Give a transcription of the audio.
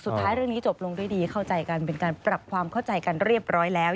สุดท้ายเรื่องนี้จบลงด้วยดีเข้าใจกันเป็นการปรับความเข้าใจกันเรียบร้อยแล้ว